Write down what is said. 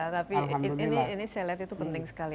tapi ini saya lihat itu penting sekali